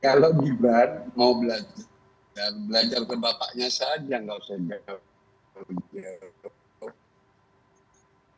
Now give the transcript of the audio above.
kalau gibran mau belajar dan belajar ke bapaknya saja nggak usah